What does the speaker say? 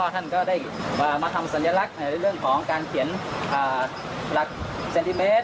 ท่านก็ได้มาทำสัญลักษณ์ในเรื่องของการเขียนหลักเซนติเมตร